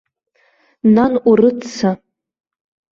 Нан, урыцца.